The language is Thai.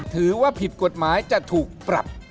ถือว่าผิดกฎหมายจะถูกปรับ